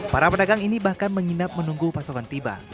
para pedagang ini bahkan menginap menunggu pasokan tiba